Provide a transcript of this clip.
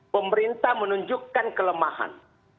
pemerintah menunjukkan kelemahan